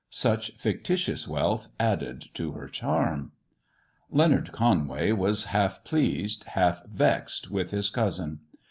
Such fictitious wealth added to her charm MISS JONATHAN 175 Leonard Conway was half pleased, half vexed with his cousin.